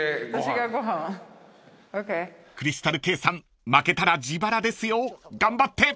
［クリスタルケイさん負けたら自腹ですよ頑張って］